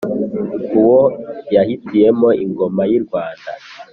Uwo yahitiyemo ingoma y’i Rwanda